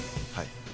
はい。